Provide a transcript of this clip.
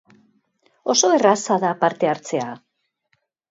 Oso erraza da parte hartzea!